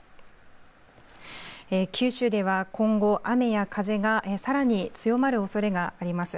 九州では今後、雨や風がさらに強まるおそれがあります。